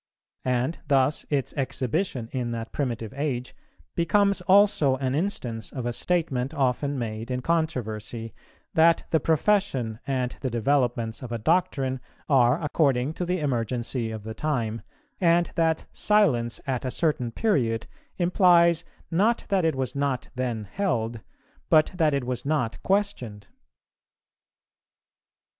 And thus its exhibition in that primitive age becomes also an instance of a statement often made in controversy, that the profession and the developments of a doctrine are according to the emergency of the time, and that silence at a certain period implies, not that it was not then held, but that it was not questioned.